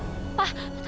pak tapi sepeda lia gimana